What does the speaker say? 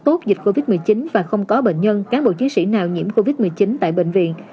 tốt dịch covid một mươi chín và không có bệnh nhân cán bộ chiến sĩ nào nhiễm covid một mươi chín tại bệnh viện